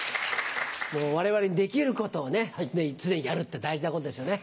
我々にできることを常にやるって大事なことですよね。